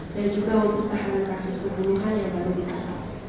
dan juga untuk pertahanan kasus pertunuhan yang baru ditahan